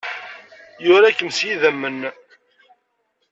Yura-kem s yidammen.